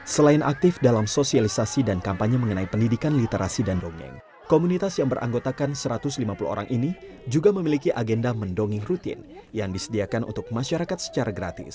selain aktif dalam sosialisasi dan kampanye mengenai pendidikan literasi dan dongeng komunitas yang beranggotakan satu ratus lima puluh orang ini juga memiliki agenda mendongeng rutin yang disediakan untuk masyarakat secara gratis